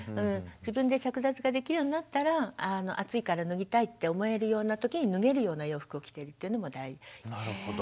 自分で着脱ができるようになったら暑いから脱ぎたいって思えるような時に脱げるような洋服を着ているというのも大事。